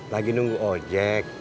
lagi nunggu ojek